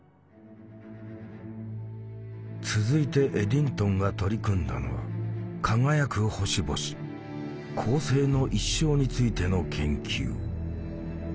続いてエディントンが取り組んだのは輝く星々恒星の一生についての研究。